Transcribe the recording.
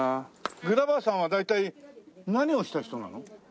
グラバーさんは大体何をした人なの？